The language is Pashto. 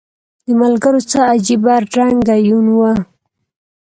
د ملګرو څه عجیبه رنګه یون و